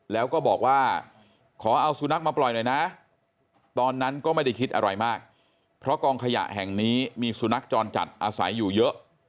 แล้วก็บอกว่าขอเอาสุนัขมาปล่อยหน่อยนะตอนนั้นก็ไม่ได้คิดอะไรมากเพราะกองขยะแห่งนี้มีสุนัขจรจัดอาศัยอยู่เยอะ